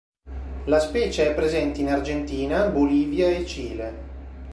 La specie è presente in Argentina, Bolivia e Cile.